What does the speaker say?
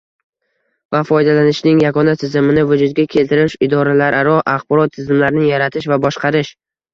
va foydalanishning yagona tizimini vujudga keltirish, idoralararo axborot tizimlarini yaratish va boshqarish;